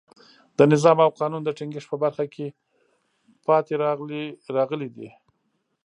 د نظم او قانون د ټینګښت په برخه کې پاتې راغلي دي.